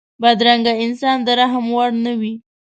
بدرنګه انسان د رحم وړ نه وي